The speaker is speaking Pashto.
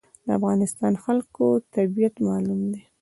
د افغانستان خلکو طبیعت معلوم دی.